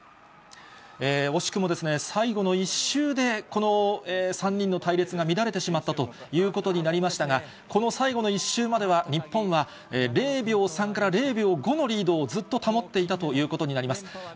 惜しくも最後の１周で、この３人の隊列が乱れてしまったということになりましたが、この最後の１周までは、日本は０秒３から０秒５のリードを、ずっと保っていたということになります。